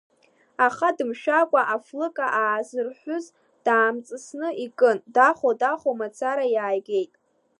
Аха дымшәакәа афлыка аазырҳәыз даамҵасын икын, дахо, дахо мацара, иааигеит.